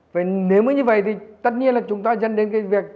vậy nếu như vậy thì tất nhiên là chúng ta dân đến cái việc